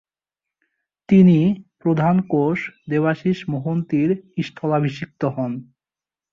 তিনি প্রধান কোচ দেবাশীষ মোহন্তি’র স্থলাভিষিক্ত হন।